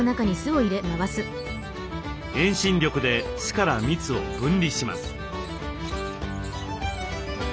遠心力で巣から蜜を分離します。